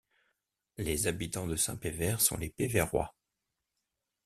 Les habitants de Saint-Péver sont les Pévérois.